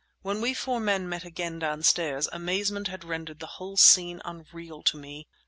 When we four men met again downstairs, amazement had rendered the whole scene unreal to me.